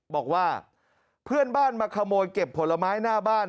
บอกว่าเพื่อนบ้านมาขโมยเก็บผลไม้หน้าบ้าน